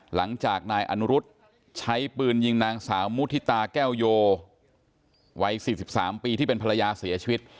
หลังจากนายอนุรุษใช้ปืนยิงนางสาวมุฒิตาแก้วโยวัย๔๓ปีที่เป็นภรรยาเสียชีวิต